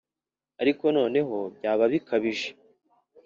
ariko nanone byaba bibabaje